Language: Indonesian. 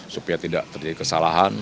supaya tidak terjadi kesalahan